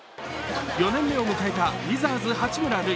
４年目を迎えたウィザーズ・八村塁。